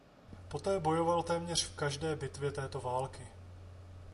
Poté bojoval téměř v každé bitvě této války.